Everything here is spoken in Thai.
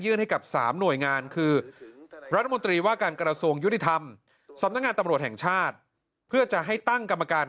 ยื่นให้กับ๓หน่วยงาน